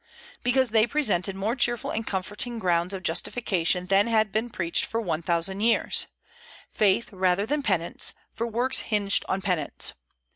Because they presented more cheerful and comforting grounds of justification than had been preached for one thousand years, faith rather than penance; for works hinged on penance.